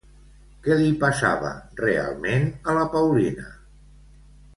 Què li passava, realment, a la Paulina?